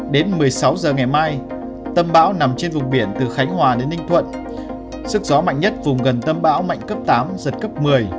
đến một mươi sáu h ngày mai tâm bão nằm trên vùng biển từ khánh hòa đến ninh thuận sức gió mạnh nhất vùng gần tâm bão mạnh cấp tám giật cấp một mươi